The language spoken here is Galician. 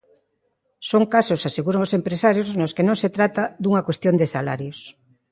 Son casos, aseguran os empresarios, nos que non se trata dunha cuestión de salarios.